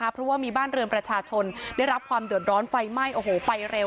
เพราะว่ามีบ้านเรือนประชาชนได้รับความเดือดร้อนไฟไหม้โอ้โหไปเร็ว